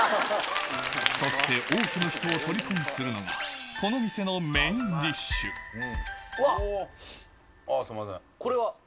そして多くの人をとりこにするのが、この店のメインディッシわっ、これは？